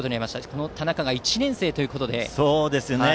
この田中が１年生ということで。